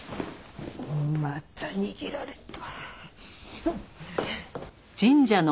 また逃げられた！